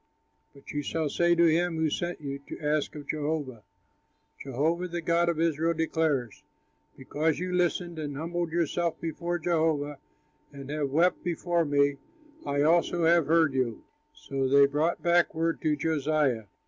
But you shall say to him who sent you to ask of Jehovah, Jehovah the God of Israel declares, Because you listened and humbled yourself before Jehovah and have wept before me, I also have heard you,'" So they brought back word to Josiah.